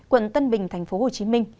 quận tân bình tp hcm